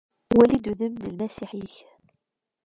Wali-d udem n lmasiḥ-ik!